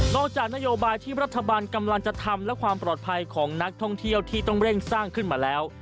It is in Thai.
จากนโยบายที่รัฐบาลกำลังจะทำและความปลอดภัยของนักท่องเที่ยวที่ต้องเร่งสร้างขึ้นมาแล้ว